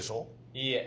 いいえ。